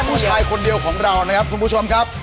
ผู้ชายคนเดียวของเรานะครับคุณผู้ชมครับ